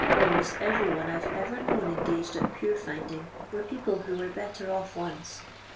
Almost every one I 've ever known engaged at Pure tinding were people who were better off once.